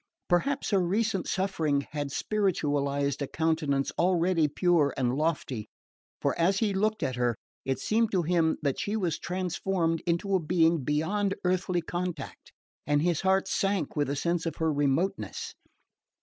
Perhaps her recent suffering had spiritualised a countenance already pure and lofty; for as he looked at her it seemed to him that she was transformed into a being beyond earthly contact, and his heart sank with the sense of her remoteness.